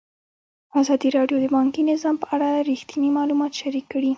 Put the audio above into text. ازادي راډیو د بانکي نظام په اړه رښتیني معلومات شریک کړي.